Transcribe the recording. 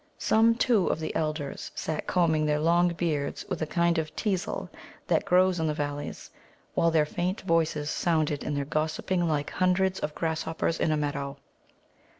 Some, too, of the elders sat combing their long beards with a kind of teasel that grows in the valleys, while their faint voices sounded in their gossiping like hundreds of grasshoppers in a meadow.